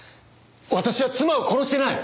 私は妻を殺してない！